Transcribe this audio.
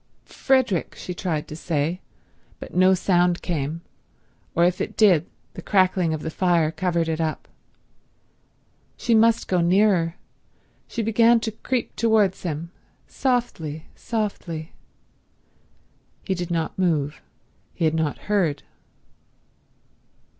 "Frederick—" she tried to say; but no sound came, or if it did the crackling of the fire covered it up. She must go nearer. She began to creep towards him—softly, softly. He did not move. He had not heard.